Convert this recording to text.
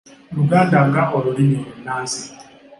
Luganda nga olulimi olunnansi